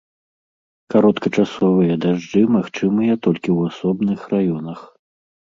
Кароткачасовыя дажджы магчымыя толькі ў асобных раёнах.